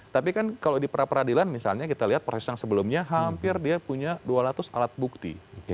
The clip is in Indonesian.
tapi kan kalau di pra peradilan misalnya kita lihat proses yang sebelumnya hampir dia punya dua ratus alat bukti